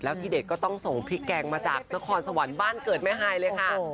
ที่เด็ดก็ต้องส่งพริกแกงมาจากนครสวรรค์บ้านเกิดแม่ฮายเลยค่ะ